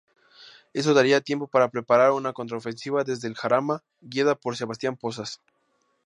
Esto daría tiempo para preparar una contraofensiva desde el Jarama guiada por Sebastián Pozas.